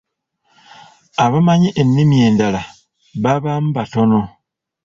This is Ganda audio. Abamanyi ennimi endala babaamu batono.